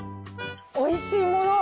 おいしいもの